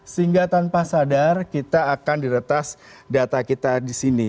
sehingga tanpa sadar kita akan diretas data kita di sini